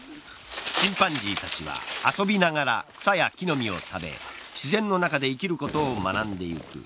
チンパンジーたちは遊びながら草や木の実を食べ自然の中で生きることを学んでいく。